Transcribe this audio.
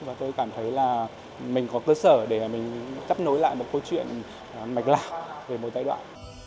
và tôi cảm thấy là mình có cơ sở để mình chấp nối lại một câu chuyện mạch lạc về một giai đoạn